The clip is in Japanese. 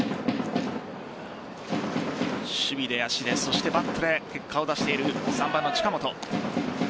守備で足でそしてバットで結果を出している３番の近本。